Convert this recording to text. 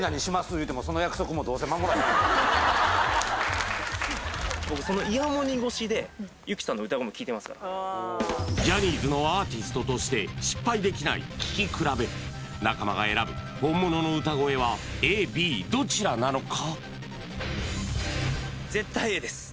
言うてもその約束もどうせ守らへんやろジャニーズのアーティストとして失敗できない聴き比べ中間が選ぶ本物の歌声はＡＢどちらなのか？